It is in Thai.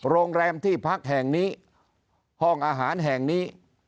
โรงแรมที่พักแห่งนี้ห้องอาหารแห่งนี้